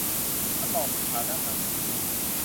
มันบอกถึงฐานะทางเศรษฐกิจ